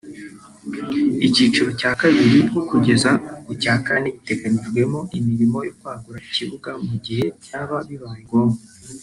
Icyiciro cya kabiri kugeza ku cya kane biteganyijwemo imirimo yo kwagura ikibuga mu gihe byaba bibaye ngombwa